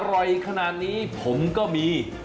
อร่อยขนาดนี้ผมก็มี